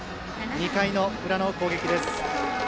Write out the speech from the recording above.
２回裏の攻撃です。